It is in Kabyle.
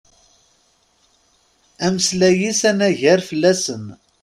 Ameslay-is anagar fell-asen.